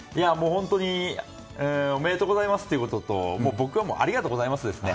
本当におめでとうございますということと僕はありがとうございますですね。